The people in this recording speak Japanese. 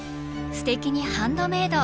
「すてきにハンドメイド」